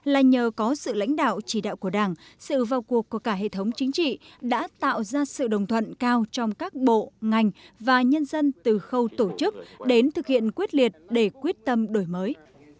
là nhờ có sự lãnh đạo chỉ đạo của đảng sự vào cuộc của cả hệ thống chính trị đã tạo ra sự đồng thuận cao trong các bộ ngành và nhân dân từ khâu tổ chức đến thực hiện quyết liệt để quyết tâm đổi mới